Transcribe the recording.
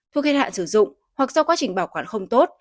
thuốc hiện hạn sử dụng hoặc do quá trình bảo quản không tốt